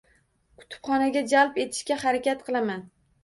Kutubxonaga jalb etishga harakat qilaman.